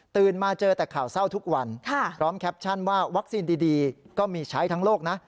มาเจอแต่ข่าวเศร้าทุกวันพร้อมแคปชั่นว่าวัคซีนดีก็มีใช้ทั้งโลกนะ